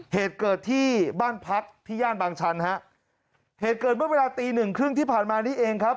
เหตุเกิดที่บ้านพักที่ย่านบางชันฮะเหตุเกิดเมื่อเวลาตีหนึ่งครึ่งที่ผ่านมานี้เองครับ